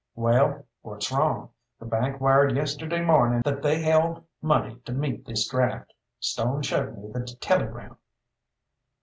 "Well, what's wrong? The bank wired yesterday morning that they held money to meet this draft. Stone showed me the telegram."